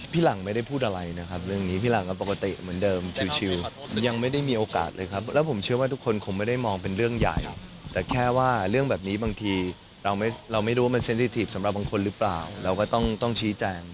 หลังไม่ได้พูดอะไรนะครับเรื่องนี้พี่หลังก็ปกติเหมือนเดิมชิวยังไม่ได้มีโอกาสเลยครับแล้วผมเชื่อว่าทุกคนคงไม่ได้มองเป็นเรื่องใหญ่แต่แค่ว่าเรื่องแบบนี้บางทีเราไม่รู้ว่ามันเซ็นทิทีฟสำหรับบางคนหรือเปล่าเราก็ต้องชี้แจง